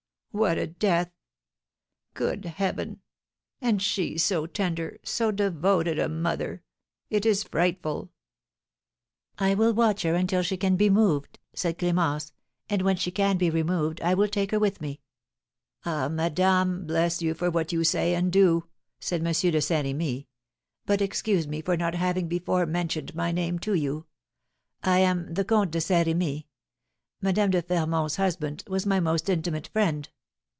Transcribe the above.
'" "What a death! Good heaven! And she so tender, so devoted a mother, it is frightful!" "I will watch her until she can be moved," said Clémence, "and, when she can be removed, I will take her with me." "Ah, madame, bless you for what you say and do!" said M. de Saint Remy. "But excuse me for not having before mentioned my name to you, I am the Comte de Saint Remy; Madame de Fermont's husband was my most intimate friend.